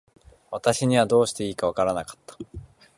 私にはどうしていいか分らなかった。